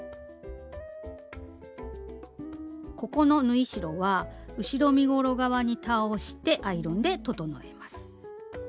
ここの縫い代は後ろ身ごろ側に倒してアイロンで整えます。